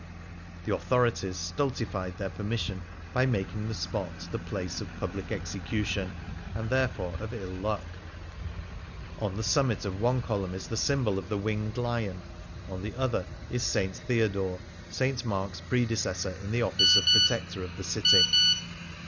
The authori ties stultified their permission by making the spot the place of public execution, and therefore of ill luck. On the summit of one column is the symbol of the Winged Lion ; on the other is St. Theo dore, St. Mark's predecessor in the office of 67 Things Seen in Venice Protector of the City.